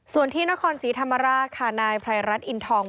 ส่วนที่นครศรีธรรมราชค่ะนายไพรรัฐอินทอง